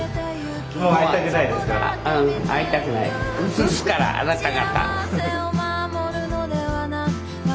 映すからあなた方。